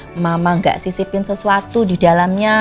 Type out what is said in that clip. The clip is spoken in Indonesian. ya mama nggak sisipin sesuatu di dalamnya